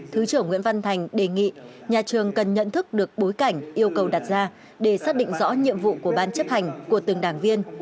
thứ trưởng nguyễn văn thành đề nghị nhà trường cần nhận thức được bối cảnh yêu cầu đặt ra để xác định rõ nhiệm vụ của ban chấp hành của từng đảng viên